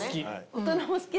大人も好き！